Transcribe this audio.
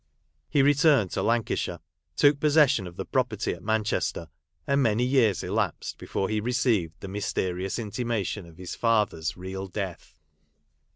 He returned to Lancashire ; took possession of the pro perty at Manchester ; and, many years elapsed before he received the mysterious intimation of his father's real death.